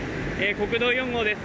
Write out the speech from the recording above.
国道４号です。